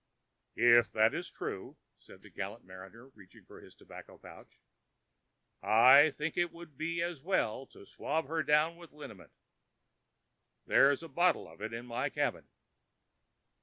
"If that is true," said the gallant mariner, reaching for his tobacco pouch, "I think it would be as well to swab her down with liniment. There's a bottle of it in my cabin.